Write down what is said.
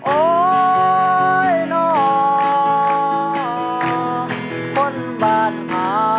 โอ๊ยน้องคนบ้านมา